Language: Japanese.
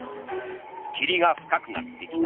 霧が深くなってきた。